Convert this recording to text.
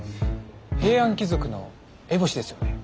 平安貴族の烏帽子ですよね？